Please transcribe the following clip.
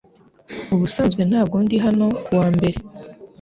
Ubusanzwe ntabwo ndi hano kuwa mbere .